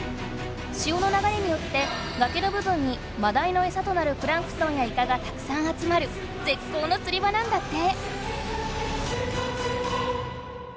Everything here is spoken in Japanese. しおのながれによってがけの部分にマダイのエサとなるプランクトンやイカがたくさん集まるぜっこうの釣り場なんだって。